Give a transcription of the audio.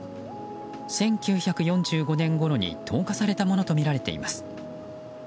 １９４５年ごろに投下されたものとみられています。